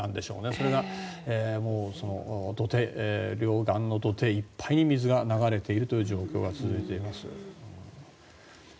それが両岸の土手いっぱいに水が流れているという状況が続いています。